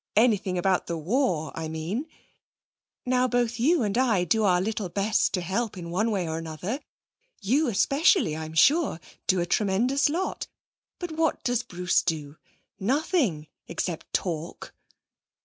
anything about the war, I mean. Now both you and I do our little best to help, in one way or another. You especially, I'm sure, do a tremendous lot; but what does Bruce do? Nothing, except talk.'